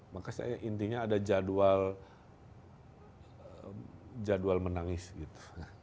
maka saya intinya ada jadwal menangis gitu